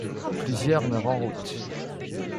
Plusieurs meurent en route.